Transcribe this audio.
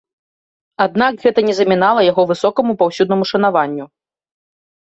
Аднак гэта не замінала яго высокаму паўсюднаму шанаванню.